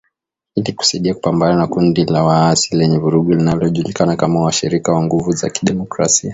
Ili kusaidia kupambana na kundi la waasi lenye vurugu linalojulikana kama Washirika wa Nguvu za Kidemokrasia